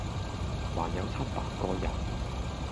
還有七八個人，